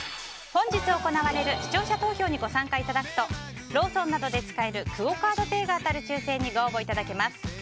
本日行われる視聴者投票にご参加いただくとローソンなどで使えるクオ・カードが当たる抽選にご応募いただけます。